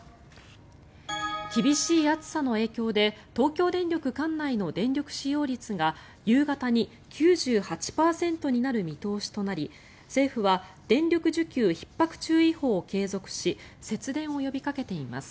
厳しい暑さの影響で東京電力管内の電力使用率が夕方に９８％になる見通しとなり政府は電力需給ひっ迫注意報を継続し節電を呼びかけています。